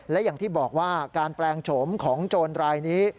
และอย่างที่บอกว่าการแปลงโฉมของโจรรายนี้